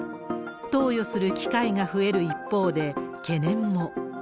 投与する機会が増える一方で、懸念も。